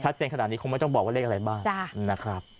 ชัดเจนขนาดนี้คงไม่ขต้องบอกว่าเลขอะไรบ้าง